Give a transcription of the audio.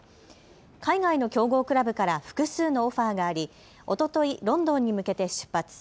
海外の強豪クラブから複数のオファーがありおととい、ロンドンに向けて出発。